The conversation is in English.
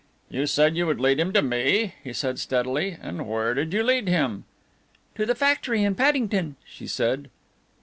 "You said you would lead him to me?" he said steadily, "and where did you lead him?" "To the factory in Paddington," she said.